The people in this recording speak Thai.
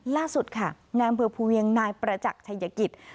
ล่าสุดค่ะนายอำเภอภูเวียงนายประจักษ์ชัยกิจ